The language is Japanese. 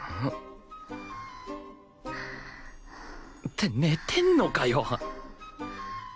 って寝てんのかよ！